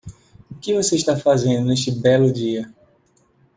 O que você está fazendo neste belo dia?